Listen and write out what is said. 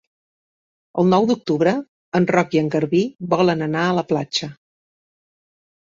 El nou d'octubre en Roc i en Garbí volen anar a la platja.